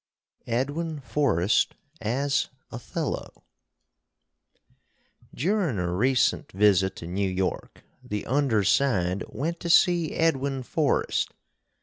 EDWIN FORREST AS OTHELLO Durin a recent visit to New York the undersined went to see Edwin Forrest.